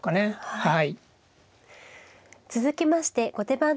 はい。